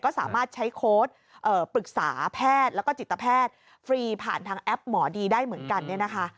ก็สามารถใช้โค้ดปรึกษาแพทย์แล้วก็จิตแพทย์ฟรีผ่านทางแอปหมอดีได้เหมือนกันเนี่ยนะคะ